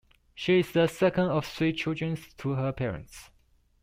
She is the second of three children to her parents.